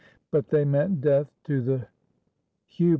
But they meant death to the v/3/3t